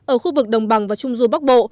ở khu vực đồng bằng và trung du bắc bộ